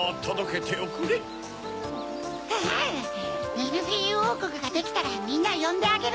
ミルフィーユおうこくができたらみんなよんであげる！